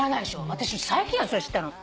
私最近よそれ知ったの。